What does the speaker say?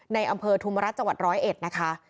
ในอำเภอทุมรัฐจังหวัด๑๐๑นะคะ